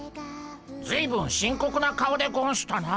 ずいぶん深刻な顔でゴンしたなあ。